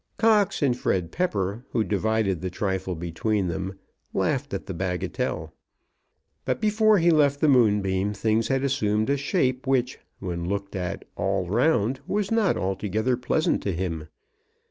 Cox and Fred Pepper, who divided the trifle between them, laughed at the bagatelle. But before he left the Moonbeam things had assumed a shape which, when looked at all round, was not altogether pleasant to him.